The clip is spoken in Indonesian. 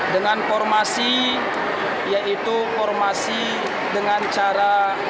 dengan formasi yaitu formasi dengan cara